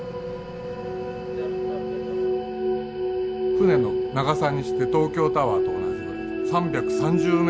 船の長さにして東京タワーと同じ３３０メートル。